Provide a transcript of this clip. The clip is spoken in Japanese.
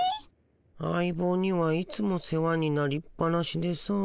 相ぼうにはいつも世話になりっ放しでさ。